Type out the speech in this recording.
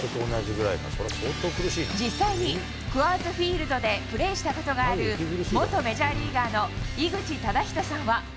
実際にクアーズ・フィールドでプレーしたことがある、元メジャーリーガーの井口資仁さんは。